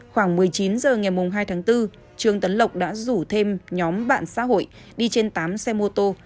khoảng một mươi chín h ngày hai tháng bốn trương tấn lộc đã rủ thêm nhóm bạn xã hội đi trên tám xe mô tô